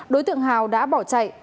đối tượng hào đã bỏ chạy